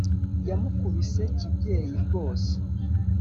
yamukubise kibyeyi rwose